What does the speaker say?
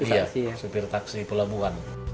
iya supir taksi pulau buan